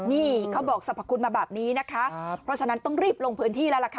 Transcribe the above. นี่เขาบอกสรรพคุณมาแบบนี้นะคะเพราะฉะนั้นต้องรีบลงพื้นที่แล้วล่ะค่ะ